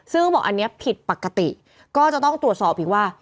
ซึ่งบอกอันนี้ผิดปกติก็จะต้องตรวจสอบอีกว่า